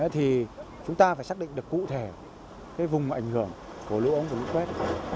thì chúng ta phải xác định được cụ thể vùng ảnh hưởng của lũ ống và lũ quét